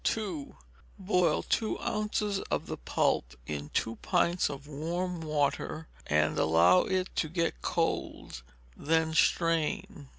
(2) Boil two ounces of the pulp in two pints of warm water, and allow it to get cold, then strain.